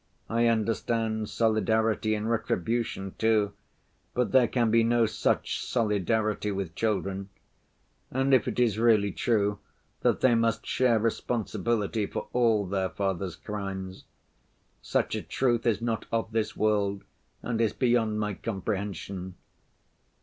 I understand solidarity in retribution, too; but there can be no such solidarity with children. And if it is really true that they must share responsibility for all their fathers' crimes, such a truth is not of this world and is beyond my comprehension.